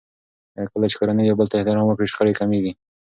کله چې کورنۍ يو بل ته احترام وکړي، شخړې کمېږي.